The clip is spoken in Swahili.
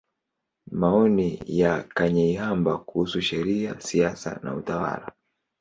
Maoni ya Kanyeihamba kuhusu Sheria, Siasa na Utawala.